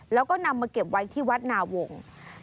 แล้วก็นำมาเก็บไว้ที่วัดนาวงศ์